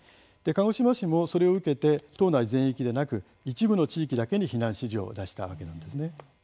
鹿児島市もそれを受けて島内全域でなく一部の地域だけに避難指示を出したわけなんですね。